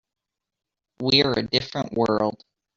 We're a different world.